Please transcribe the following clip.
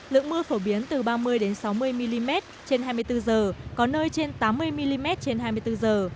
lượng mưa phổ biến từ ba mươi sáu mươi mm trên hai mươi bốn giờ có nơi trên tám mươi mm trên hai mươi bốn giờ